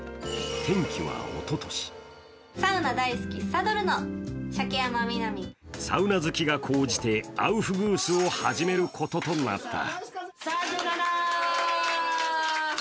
転機はおととしサウナ好きが高じて、アウフグースを始めることとなった。